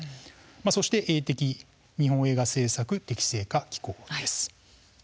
そして映適映画制作適正化機構です。